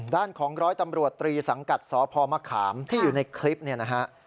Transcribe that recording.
ด้านของร้อยตำรวจตรีสังกัดสพมะขามที่อยู่ในคลิปเนี่ยนะฮะ